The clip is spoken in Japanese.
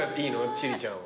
千里ちゃんは。